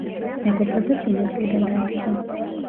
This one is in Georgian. მეგობრობა წინა წლიდან დაიწყო.